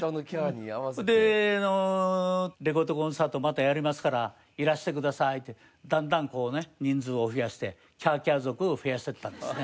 それであの「レコードコンサートまたやりますからいらしてください」ってだんだん人数を増やしてキャーキャー族を増やしていったんですね。